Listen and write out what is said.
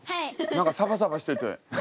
何かサバサバしてて。